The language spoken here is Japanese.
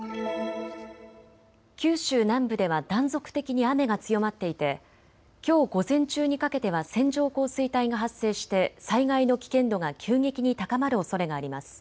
九州南部では断続的に雨が強まっていてきょう午前中にかけては線状降水帯が発生して災害の危険度が急激に高まるおそれがあります。